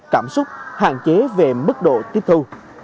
cảm xúc hạn chế về mức độ tiếp thu